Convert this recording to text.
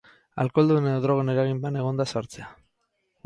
Alkoholdun edo drogen eraginpean egonda sartzea.